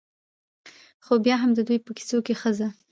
؛ خو بيا هم د دوى په کيسو کې ښځه